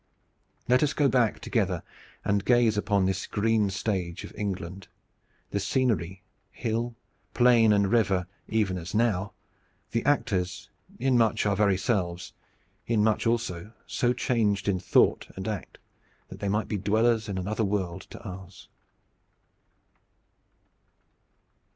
Let us go back together and gaze upon this green stage of England, the scenery, hill, plain and river even as now, the actors in much our very selves, in much also so changed in thought and act that they might be dwellers in another world to ours.